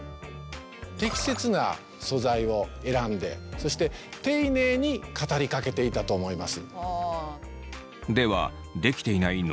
適切な素材を選んでそして丁寧に語りかけていたと思います。